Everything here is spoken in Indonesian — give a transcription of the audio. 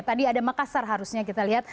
tadi ada makassar harusnya kita lihat